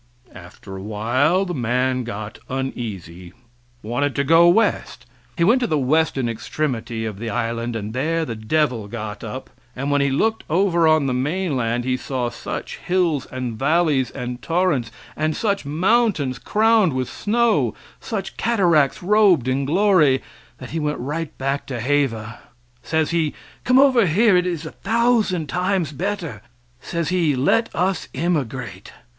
After awhile the man got uneasy wanted to go west. He went to the western extremity of the island, and there the devil got up, and when he looked over on the mainland he saw such hills and valleys and torrents, and such mountains crowned with snow; such cataracts, robed in glory, that he went right back to Heva. Says he: "Come over here; it is a thousand times better;" says he: "let us emigrate."